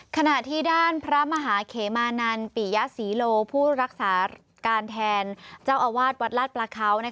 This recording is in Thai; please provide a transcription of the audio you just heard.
ขณะที่ด้านพระมหาเขมานันปิยศรีโลผู้รักษาการแทนเจ้าอาวาสวัดลาดปลาเขา